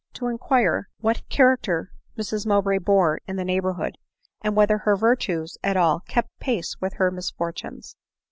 297 to inquire what character Mrs Mowbray bore in the neighborhood, and whether her virtues at all kept pace with her misfortunes.